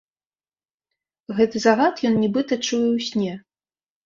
Гэты загад ён, нібыта, чуе ў сне.